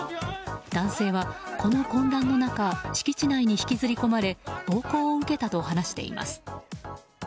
男性はこの混乱の中敷地内に引きずり込まれ暴行を受けたと話しています。